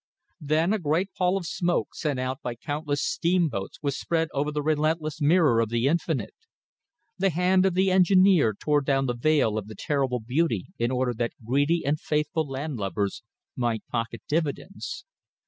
Then a great pall of smoke sent out by countless steam boats was spread over the restless mirror of the Infinite. The hand of the engineer tore down the veil of the terrible beauty in order that greedy and faithless landlubbers might pocket dividends.